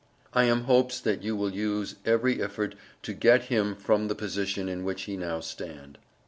I am hopes that you will use every ifford to get him from the position in which he now stand.